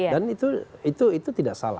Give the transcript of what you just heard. dan itu tidak salah